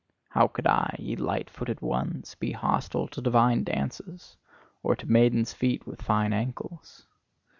How could I, ye light footed ones, be hostile to divine dances? Or to maidens' feet with fine ankles?